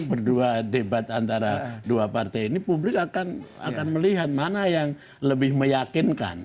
berdua debat antara dua partai ini publik akan melihat mana yang lebih meyakinkan